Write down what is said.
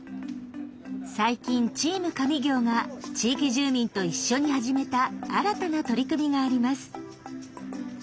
最近「チーム上京！」が地域住民と一緒に始めた新たな取り組みがあります。